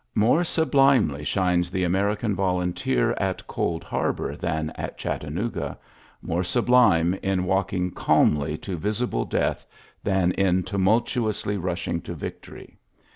More sublimely shines the American volunteer at Cold Har bor than at Chattanooga, — more sub lime in walking calmly to visible cimtli than in tumultuously rushing to victory.